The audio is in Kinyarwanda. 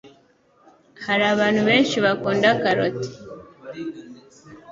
Hari abantu benshi bakunda karoti,